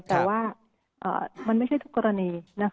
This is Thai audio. แต่ว่ามันไม่ใช่ทุกกรณี